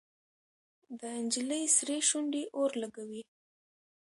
د نجلۍ سرې شونډې اور لګوي.